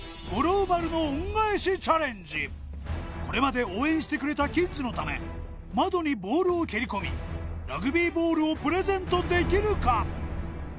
五郎丸のこれまで応援してくれたキッズのため窓にボールを蹴り込みラグビーボールをプレゼントできるか？